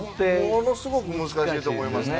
ものすごく難しいと思います。